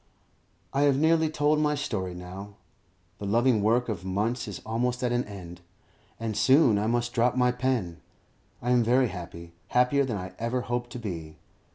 I have nearly told my story now; the loving work of months is almost at an end, and soon I must drop my pen. I am very happy, happier than I ever hoped to be.